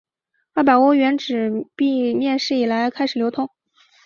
二百欧元纸币面世以来开始流通。